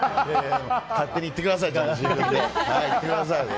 勝手に行ってください自分で。